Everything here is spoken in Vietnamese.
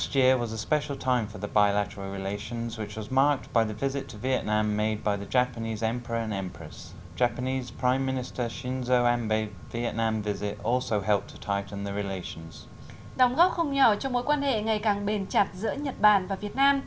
đóng góp không nhỏ cho mối quan hệ ngày càng bền chặt giữa nhật bản